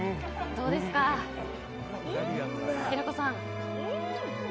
どうですか、平子さん。